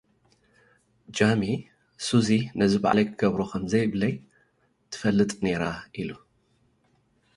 ጃሚ፡ 'ሱዚ ነዚ ባዕለይ ክገብሮ ኸም ዘይብለይ ትፈልጥ ነይራ' ኢሉ።